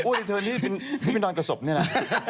อ้วนรีเทอร์นนี่พี่เป็นดอลกระศพนี่หน่ะ